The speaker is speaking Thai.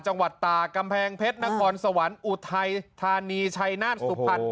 จังหวัดตากกำแพงเพชรนครสวรรค์อุทัยธานีชัยนาฏสุพรรณ